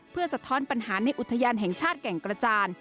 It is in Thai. เพื่อสะท้อนปัญหาในอุทยานแห่งชาติแก่งกระจาน